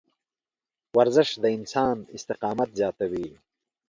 ورزش د انسان استقامت زیاتوي.